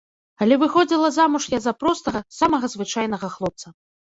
Але выходзіла замуж я за простага, самага звычайнага хлопца.